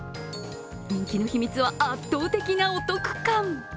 人気の秘密は、圧倒的なお得感。